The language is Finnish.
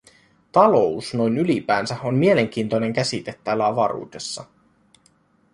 Talous noin ylipäänsä on mielenkiintoinen käsite täällä avaruudessa.